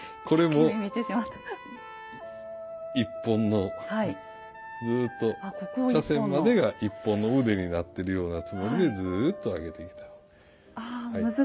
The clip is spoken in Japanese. これも１本のずっと茶筅までが１本の腕になってるようなつもりでずっと上げていきたい。